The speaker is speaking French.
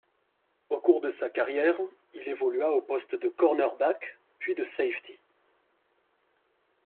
Au cours de sa carrière, il évolua au poste de cornerback puis de safety.